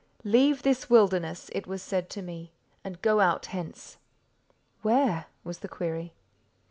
"Leave this wilderness," it was said to me, "and go out hence." "Where?" was the query.